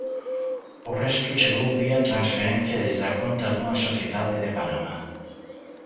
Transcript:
O resto chegou vía transferencia desde a conta dunha sociedade de Panamá.